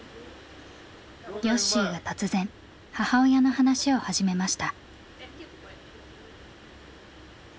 よっしーが突然母親の話を始めました。